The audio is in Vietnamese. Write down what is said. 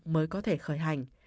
mới có thể khởi hành